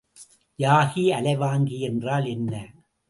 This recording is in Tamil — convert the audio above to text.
யாகி அலைவாங்கி என்றால் என்ன?